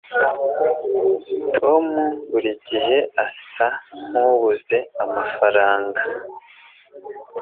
tom burigihe asa nkabuze amafaranga